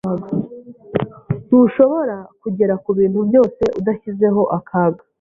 Ntushobora kugera kubintu byose udashyizeho akaga.